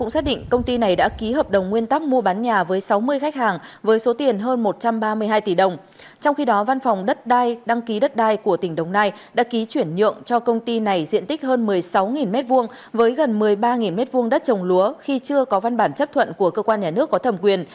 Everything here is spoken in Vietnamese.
trong khi đó văn phòng đất đai đăng ký đất đai của tỉnh đồng nai đã ký chuyển nhượng cho công ty này diện tích hơn một mươi sáu m hai với gần một mươi ba m hai đất trồng lúa khi chưa có văn bản chấp thuận của cơ quan nhà nước có thẩm quyền